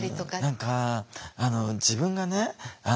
何か自分がね